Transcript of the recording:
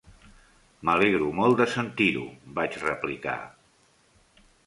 "M'alegro molt de sentir-ho", vaig replicar.